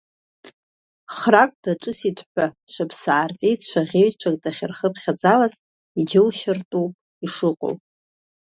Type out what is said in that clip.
Храк даҿысит ҳәа шаԥсаа рҵеицәа ӷьеҩқәа дахьырхырԥхьаӡалаз иџьоушьартәоуп ишыҟоу.